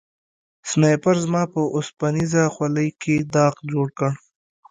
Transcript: سنایپر زما په اوسپنیزه خولۍ کې داغ جوړ کړ